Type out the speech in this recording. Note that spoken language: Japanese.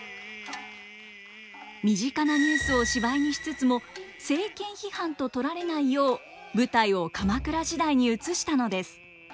身近なニュースを芝居にしつつも政権批判と取られないよう舞台を鎌倉時代に移したのです。